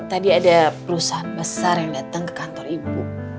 tadi ada perusahaan besar yang datang ke kantor ibu